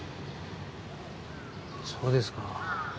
そうですか。